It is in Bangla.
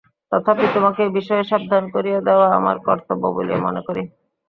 তথাপি তোমাকে এ বিষয়ে সাবধান করিয়া দেওয়া আমার কর্তব্য বলিয়া মনে করি।